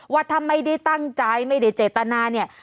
ว่าถ้าไม่ได้ตั้งใจไม่ได้เจตนาเนี่ย